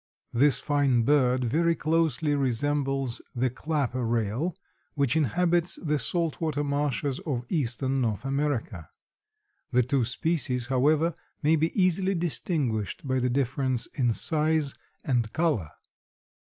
This fine bird very closely resembles the clapper rail which inhabits the saltwater marshes of eastern North America. The two species, however, may be easily distinguished by the difference in size and color.